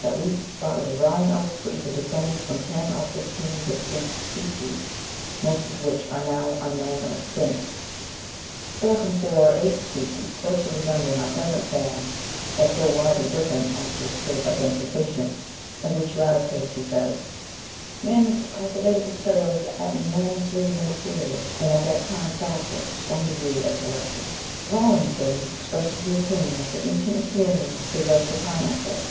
385) that wheat, barley, rye, and oats were either descended from ten or fifteen distinct species, "most of which are now unknown or extinct," or from four or eight species closely resembling our present forms, or so "widely different as to escape identification;" in which latter case, he says, "man must have cultivated the cereals at an enormously remote period," and at that time practised "some degree of selection." Rawlinson ("Ancient Monarchies," vol. i., p. 578) expresses the opinion that the ancient Assyrians possessed the pineapple.